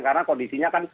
karena kondisinya kan